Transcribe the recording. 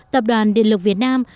tập đoàn địa lực việt nam